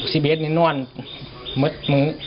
สิบเอ็ดนี่นอนเม้ย